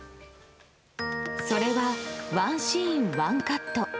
それはワンシーン・ワンカット。